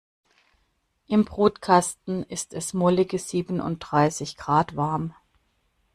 Im Brutkasten ist es mollige siebenunddreißig Grad warm.